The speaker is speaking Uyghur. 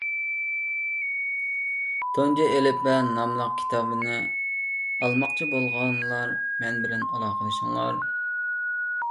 «تۇنجى ئېلىپبە» ناملىق كىتابنى ئالماقچى بولغانلار مەن بىلەن ئالاقىلىشىڭلار.